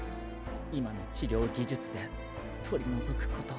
今の治療技術で取り除くことは。